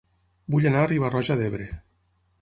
Vull anar a Riba-roja d'Ebre